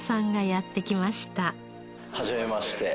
はじめまして。